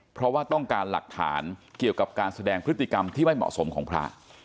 เพราะว่าต้องการหลักฐานเกี่ยวกับการแสดงพฤติกรรมที่ไม่เหมาะสมของพระ